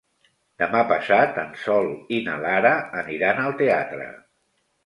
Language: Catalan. Demà passat en Sol i na Lara aniran al teatre.